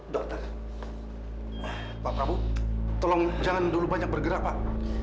dok pak prabu tolong jangan dulu banyak bergerak pak